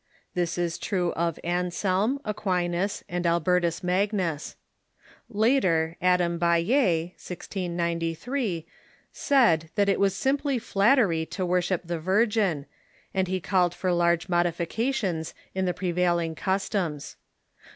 This is true of Anselm, Aquinas, and Albertus Magnus. Later, Adam Baillet (1693) said that it was sim])ly flattery to worship the Virgin, and he called for large modifications in the prevailing customs.